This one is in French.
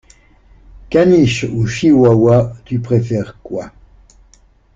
Caniche ou chihuahua, tu préfères quoi?